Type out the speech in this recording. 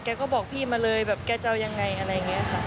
เขาบอกพี่มาเลยแบบแกจะเอายังไงอะไรอย่างนี้ค่ะ